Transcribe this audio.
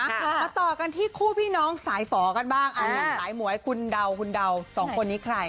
มาต่อกันที่คู่พี่น้องสายฝอกันบ้างเอาเหนือนสายหมวยคุณเดา๒คนนี้ใคร